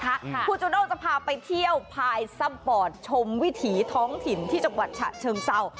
คุณจูด้งจะพาไปเที่ยวพายสปอร์ตชมวิถีท้องถิ่นที่จังหวัดฉะเชิงเศร้า